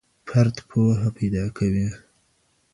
فرد پوهه پیدا کوي.